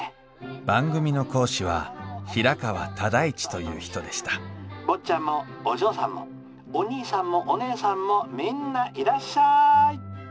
番組の講師は平川唯一という人でした「坊ちゃんもお嬢さんもお兄さんもお姉さんもみんないらっしゃい」。